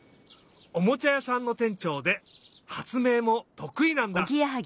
おもちゃやさんのてんちょうではつめいもとくいなんだ！